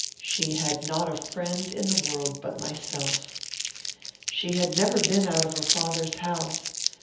She had not a friend in the world but myself. She had never been out of her father's house.